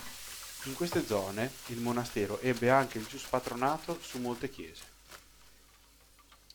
In queste zone il monastero ebbe anche il giuspatronato su molte chiese.